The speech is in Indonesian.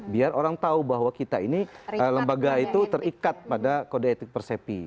biar orang tahu bahwa kita ini lembaga itu terikat pada kode etik persepi